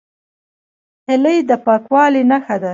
هیلۍ د پاکوالي نښه ده